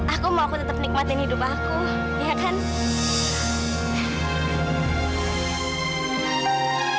aku mau aku tetap nikmatin hidup aku ya kan